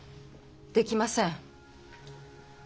できません。